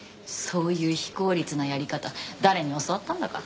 そういう非効率なやり方誰に教わったんだか。